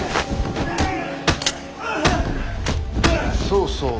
そうそう。